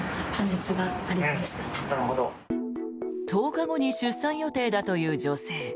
１０日後に出産予定だという女性。